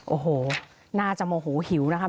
โอ้โหน่าจะโมโหหิวนะครับ